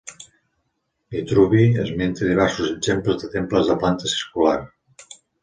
Vitruvi esmenta diversos exemples de temples de planta circular.